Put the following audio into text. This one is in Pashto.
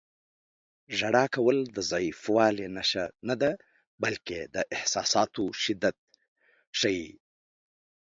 • ژړا کول د ضعیفوالي نښه نه ده، بلکې د احساساتو شدت ښيي.